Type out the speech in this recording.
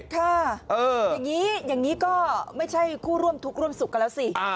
ค่ะอย่างนี้อย่างนี้ก็ไม่ใช่คู่ร่วมทุกข์ร่วมสุขกันแล้วสิ